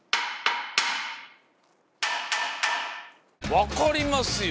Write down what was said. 分かりますよ